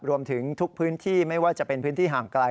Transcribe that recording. รวมถึงทุกพื้นที่ไม่ว่าจะเป็นพื้นที่ห่างไกล